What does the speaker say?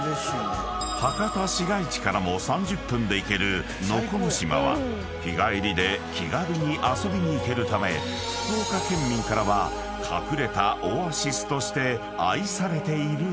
［博多市街地からも３０分で行ける能古島は日帰りで気軽に遊びに行けるため福岡県民からは隠れたオアシスとして愛されているそう］